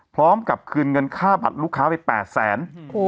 พร้อมกับคืนเงินค่าบัตรลูกค้าไป๘๐๐๐๐๐บาท